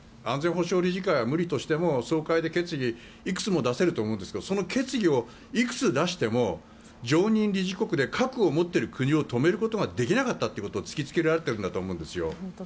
安全保障理事会は無理としても総会で決議をいくつも出せると思うんですけどその決議をいくつ出しても常任理事国で核を持っている国を止めることはできなかったということを突き付けられたと思うんです。